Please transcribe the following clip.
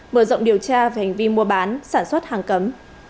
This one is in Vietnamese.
mở rộng điều tra về hành vi mua bán sản xuất hàng cấm